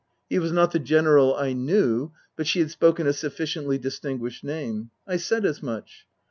He was not the General I knew, but she had spoken a sufficiently distinguished name. I said as much.